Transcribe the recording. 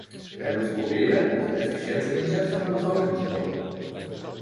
Wij moeten proberen tot een efficiënte inzet van de begroting te komen.